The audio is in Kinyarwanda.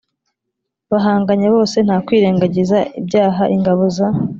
bahanganye bose, nta kwirengagiza ibyaha ingabo za